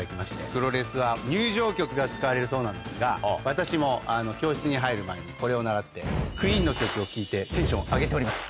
プロレスは入場曲が使われるそうなんですが私も教室に入る前にこれを倣ってＱＵＥＥＮの曲を聴いてテンション上げております。